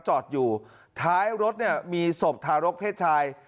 จอดอยู่ท้ายรถมีศพทารกษ์เพศชาย